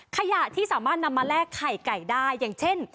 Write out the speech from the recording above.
ขยะที่สามารถนำมาแลกไข่ไก่ได้อย่างเช่น